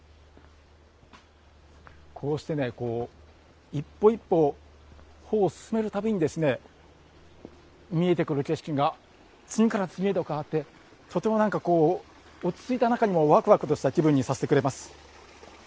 こうして一歩一歩歩を進めるたびに見えてくる景色が次から次へと変わってとても落ち着いた中にもわくわくとした気分にさせてくれます。